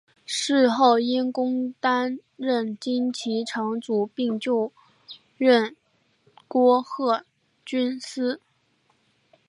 事后因公担任金崎城主并就任敦贺郡司。